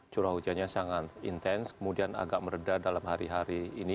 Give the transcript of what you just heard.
curah hujannya sangat intens kemudian agak meredah dalam hari hari ini